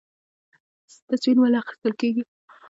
تضمین ولې اخیستل کیږي؟